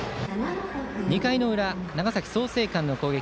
２回裏、長崎・創成館の攻撃。